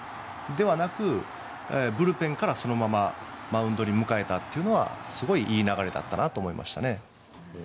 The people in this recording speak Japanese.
ではなく、ブルペンからマウンドに向かえたというのはすごいいい流れだったなと思いましたね。